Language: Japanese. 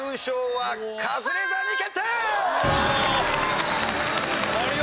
はい。